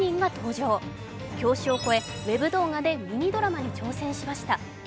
業種を超え、ウェブ動画でミニドラマに挑戦しました。